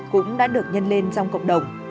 cũng đã được nhân lên trong cộng đồng